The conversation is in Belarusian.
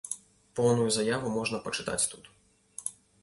Поўную заяву можна пачытаць тут.